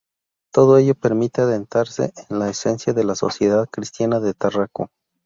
Todo ello permite adentrarse en la esencia de la sociedad cristiana de Tarraco.